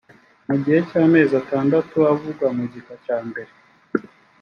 mu gihe cy amezi atandatu avugwa mu gika cyambere